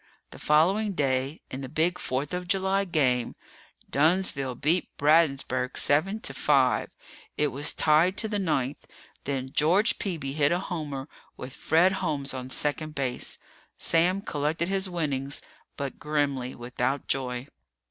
The following day, in the big fourth of July game, Dunnsville beat Bradensburg seven to five. It was tied to the ninth. Then George Peeby hit a homer, with Fred Holmes on second base. Sam collected his winnings, but grimly, without joy.